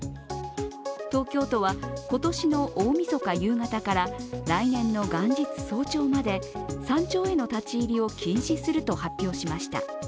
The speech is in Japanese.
東京都は、今年の大みそか夕方から来年の元日早朝まで山頂への立ち入りを禁止すると発表しました。